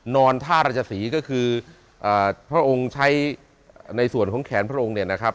นอนท่าราชศรีก็คือพระองค์ใช้ในส่วนของแขนพระองค์